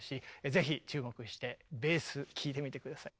ぜひ注目してベース聴いてみて下さい。